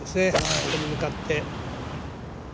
ここに向かって。